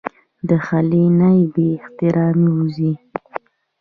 د خلې نه بې اختياره اوځي